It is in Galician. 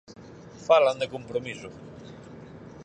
Falan de compromiso.